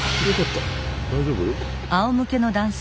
大丈夫？